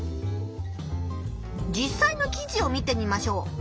実さいの記事を見てみましょう。